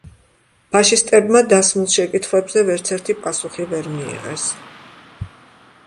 ფაშისტებმა დასმულ შეკითხვებზე ვერცერთი პასუხი ვერ მიიღეს.